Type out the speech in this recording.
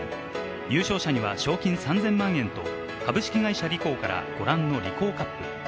優勝者には賞金３０００万円と株式会社リコーからご覧のリコーカップ。